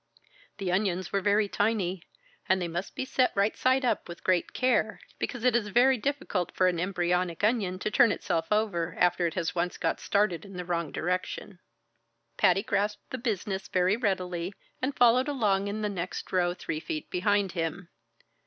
The onions were very tiny, and they must be set right side up with great care; because it is very difficult for an embryonic onion to turn itself over after it has once got started in the wrong direction. Patty grasped the business very readily, and followed along in the next row three feet behind him.